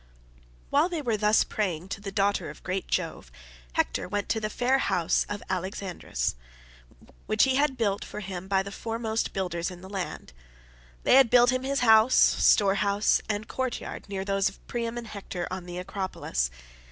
While they were thus praying to the daughter of great Jove, Hector went to the fair house of Alexandrus, which he had built for him by the foremost builders in the land. They had built him his house, storehouse, and courtyard near those of Priam and Hector on the acropolis.